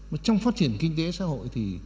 mà trong phát triển kinh tế xã hội thì